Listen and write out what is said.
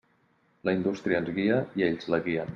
La indústria ens guia, i ells la guien.